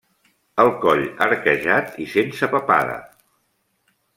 El coll arquejat i sense papada.